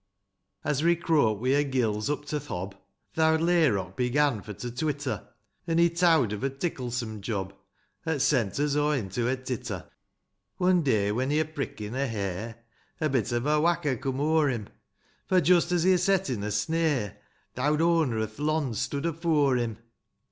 IV. As we crope wi' er gills up to th' hob, Th' owd layrock began for to twitter ; An' he towd of a ticklesome job, 'At sent us o' into a titter ; One day, when he're prickin' a hare, A bit of a wacker coom o'er him. For, just as he're settin' a snare, Th' owd owner o'th lond stoode afore him.